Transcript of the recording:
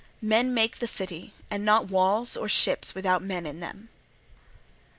Men make the city and not walls or ships without men in them."